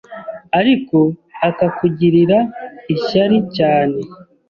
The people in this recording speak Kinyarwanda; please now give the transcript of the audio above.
ariko akakugirira ishyari cyane